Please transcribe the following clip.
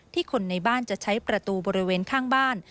คนในบ้านจะใช้ประตูบริเวณข้างบ้าน